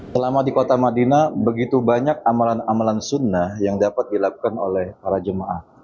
selama di kota madinah begitu banyak amalan amalan sunnah yang dapat dilakukan oleh para jemaah